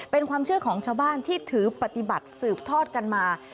เป็นความเชื่อของชาวบ้านที่ถือปฏิบัติสืบทอดกันมา